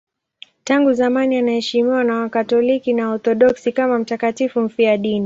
Tangu zamani anaheshimiwa na Wakatoliki na Waorthodoksi kama mtakatifu mfiadini.